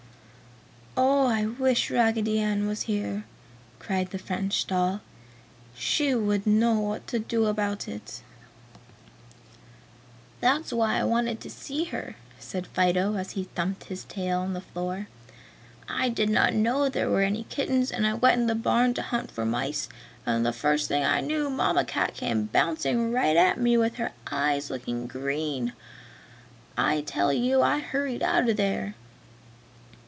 "Oh, I wish Raggedy Ann was here!" cried the French doll. "She would know what to do about it!" "That's why I wanted to see her," said Fido, as he thumped his tail on the floor, "I did not know there were any kittens and I went into the barn to hunt for mice and the first thing I knew Mamma Cat came bouncing right at me with her eyes looking green! I tell you I hurried out of there!"